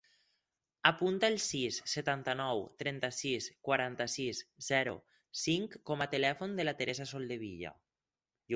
Apunta el sis, setanta-nou, trenta-sis, quaranta-sis, zero, cinc com a telèfon de la Teresa Soldevilla.